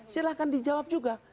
silahkan dijawab juga